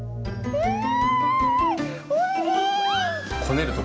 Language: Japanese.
うん！